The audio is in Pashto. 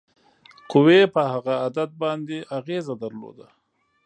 قوې په هغه عدد باندې اغیزه درلوده.